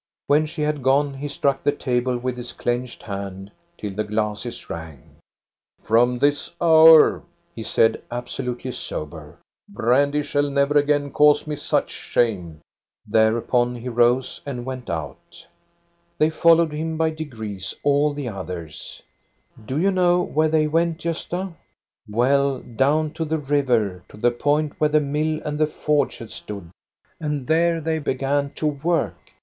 When she had gone, he struck the table with his clenched hand till the glasses rang. "'From this hour,* he said, 'absolutely sober. Brandy shall never again cause me such shame.' Thereupon he rose and went out. THE FOREST COTTAGE 451 "They followed him by degrees, all the others. Do you know where they went, Gosta? Well, down to the river, to the point where the mill and the forge had stood, and there they began to work.